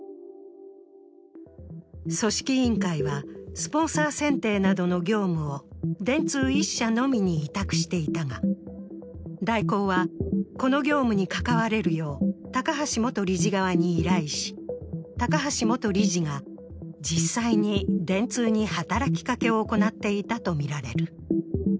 組織委員会はスポンサー選定などの業務を電通１社のみに委託していたが、大広は、この業務に関われるよう高橋元理事側に依頼し高橋元理事が実際に電通に働きかけを行っていたとみられる。